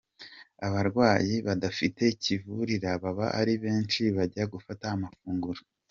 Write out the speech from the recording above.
Abarwayi badafite kivurira baba ari benshi bajya gufata amafunguro.